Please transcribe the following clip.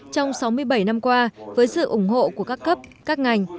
trong sáu mươi bảy năm qua với sự ủng hộ của các cấp các ngành